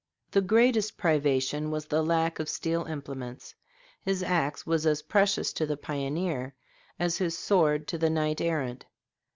The greatest privation was the lack of steel implements. His axe was as precious to the pioneer as his sword to the knight errant.